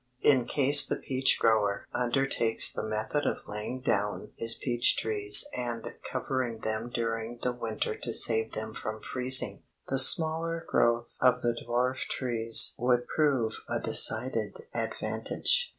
In case the peach grower undertakes the method of laying down his peach trees and covering them during the winter to save them from freezing, the smaller growth of the dwarf trees would prove a decided advantage.